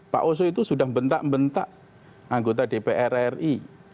pak oso itu sudah bentak bentak anggota dpr ri